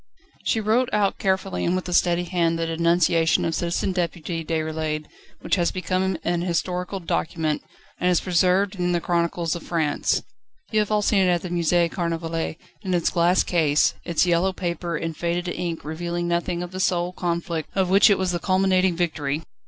She wrote out carefully and with a steady hand the denunciation of Citizen Deputy Déroulède which has become an historical document, and is preserved in the chronicles of France. You have all seen it at the Musée Carnavalet in its glass case, its yellow paper and faded ink revealing nothing of the soul conflict of which it was the culminating victory.